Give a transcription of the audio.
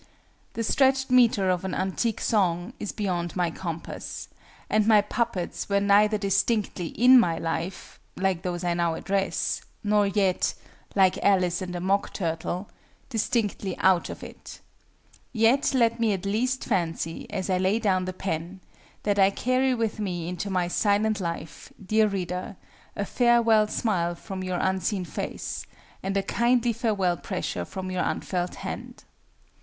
"The stretched metre of an antique song" is beyond my compass; and my puppets were neither distinctly in my life (like those I now address), nor yet (like Alice and the Mock Turtle) distinctly out of it. Yet let me at least fancy, as I lay down the pen, that I carry with me into my silent life, dear reader, a farewell smile from your unseen face, and a kindly farewell pressure from your unfelt hand!